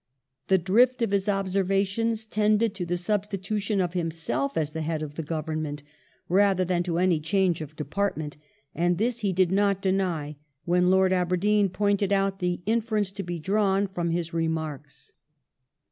" The drift of his observations tended to the substitution of himself as the Head of the Government rather than to any change of Department ; and this he did not deny, when Lord Aberdeen pointed out the inference to be drawn from his remarks."